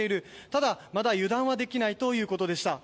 ただ、まだ油断はできないということでした。